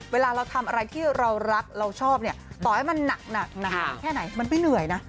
เวลาเราทำอะไรที่เรารักเราชอบเนี่ยต่อให้มันหนักแค่ไหนมันไม่เหนื่อยนะ